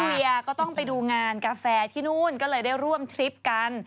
เวียก็ต้องไปดูงานกาแฟที่นู่นก็เลยได้ร่วมทริปกัน